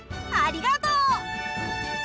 ありがとう！